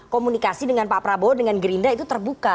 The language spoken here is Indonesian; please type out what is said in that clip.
komunikasi dengan pak prabowo dengan gerindra itu terbuka